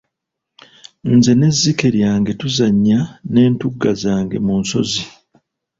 Nze n'ezzike lyange tuzanya n'entugga zange mu nsozi.